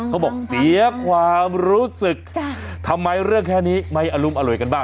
เขาบอกเสียความรู้สึกทำไมเรื่องแค่นี้ไม่อรุมอร่วยกันบ้าง